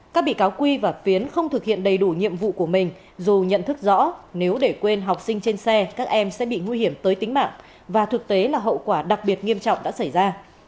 các bị cáo quy và phiến không thực hiện đầy đủ nhiệm vụ của mình dù nhận thức rõ nếu để quên học sinh trên xe các em sẽ bị nguy hiểm tới tính mạng và thực tế là hậu quả đặc biệt nghiêm trọng đã xảy ra